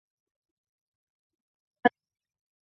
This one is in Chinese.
嗜盐古菌素有的属于多肽。